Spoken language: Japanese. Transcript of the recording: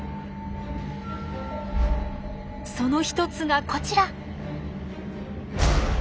その一つがこちら。